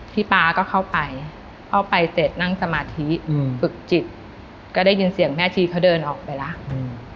ป๊าก็เข้าไปเข้าไปเสร็จนั่งสมาธิอืมฝึกจิตก็ได้ยินเสียงแม่ชีเขาเดินออกไปแล้วอืม